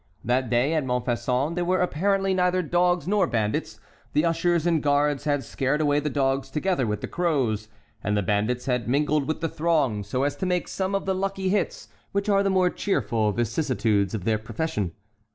That day at Montfaucon there were apparently neither dogs nor bandits. The ushers and guards had scared away the dogs together with the crows, and the bandits had mingled with the throng so as to make some of the lucky hits which are the more cheerful vicissitudes of their profession.